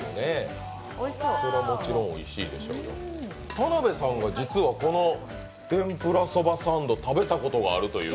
田辺さんが実はこの天ぷら蕎麦サンド食べたことがあるという。